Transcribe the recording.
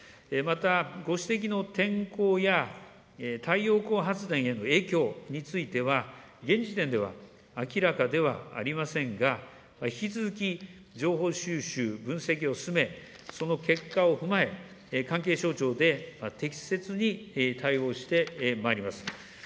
また、ご指摘の天候や太陽光発電への影響については、現時点では明らかではありませんが、引き続き情報収集、分析を進め、その結果を踏まえ、関係省庁で適切に対応してまいります。